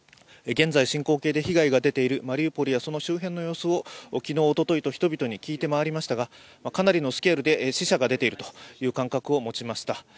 現在進行形で被害が出ているマリウポリや、その周辺の様子を昨日、おとといと聞いて回りましたがかなりのスケールで死者が出ているという感覚を持ちました。